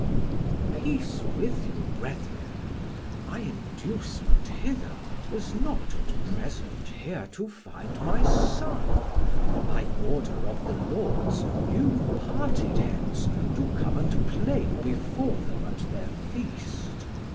Man: Peace with you brethren; my inducement hither Was not at present here to find my Son, By order of the Lords new parted hence To come and play before them at thir Feast.